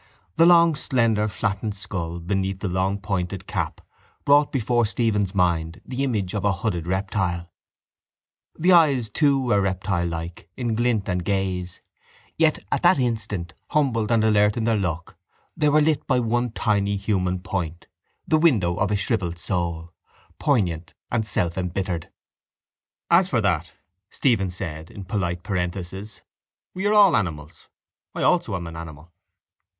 The long slender flattened skull beneath the long pointed cap brought before Stephen's mind the image of a hooded reptile. The eyes, too, were reptile like in glint and gaze. Yet at that instant, humbled and alert in their look, they were lit by one tiny human point, the window of a shrivelled soul, poignant and selfembittered. —As for that, Stephen said in polite parenthesis, we are all animals. I also am an animal.